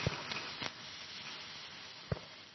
শব্দ শুনতে পেয়েছি।